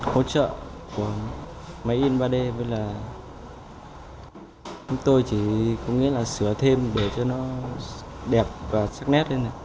hỗ trợ của máy in ba d với là chúng tôi chỉ có nghĩa là sửa thêm để cho nó đẹp và sắc nét hơn